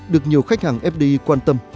được nhiều khách hàng fdi quan tâm